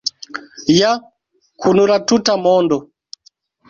Ja kun la tuta mondo!